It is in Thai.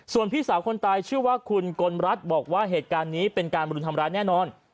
ส่วนพี่สาวคนตายชื่อว่าคุณกลรัฐบอกว่าเหตุการณ์นี้เป็นการบรุนทำร้ายแน่นอน